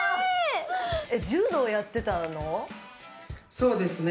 そうですね